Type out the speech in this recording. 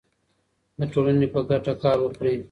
د ټولنې په ګټه کار وکړئ.